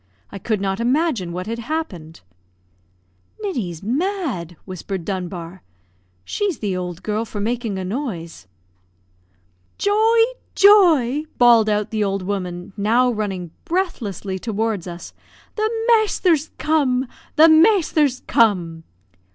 I could not imagine what had happened. "Ninny's mad!" whispered Dunbar; "she's the old girl for making a noise." "Joy! Joy!" bawled out the old woman, now running breathlessly toward us. "The masther's come the masther's come!"